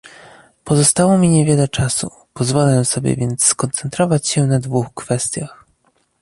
Pozostało mi niewiele czasu, pozwolę sobie więc skoncentrować się na dwóch kwestiach